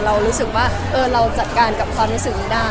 เรารู้สึกว่าเราจัดการกับความรู้สึกนี้ได้